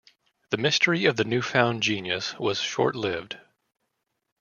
The mystery of the newfound genius was short-lived.